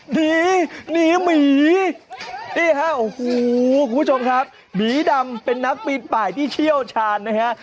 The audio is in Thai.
หนีหนีหมีนี่ฮะโอ้โหคุณผู้ชมครับหมีดำเป็นนักปีนป่ายที่เชี่ยวชาญนะฮะ